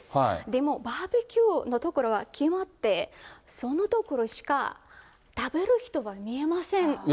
でもバーベキューのところは、決まって、その所しか食べる人は見えません。